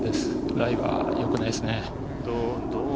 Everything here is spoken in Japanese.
ライはよくないですね。